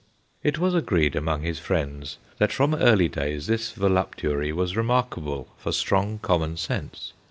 It was agreed among his friends that from early days this voluptuary was remarkable for strong common sense.